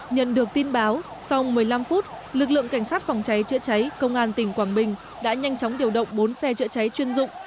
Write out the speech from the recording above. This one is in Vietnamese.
nhận được tin báo sau một mươi năm phút lực lượng cảnh sát phòng cháy chữa cháy công an tỉnh quảng bình đã nhanh chóng điều động bốn xe chữa cháy chuyên dụng